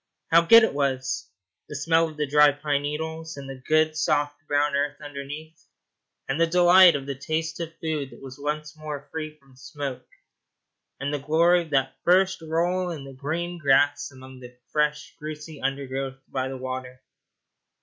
How good it was the smell of the dry pine needles and the good, soft brown earth underneath, and the delight of the taste of food that was once more free from smoke, and the glory of that first roll in the green grass among the fresh, juicy undergrowth by the water!